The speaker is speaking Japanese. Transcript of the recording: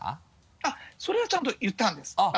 あっそれはちゃんと言ったんです。